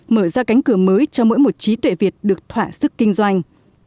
mở ra cánh cửa mới cho mỗi một trí tuệ việt được thỏa sức kinh doanh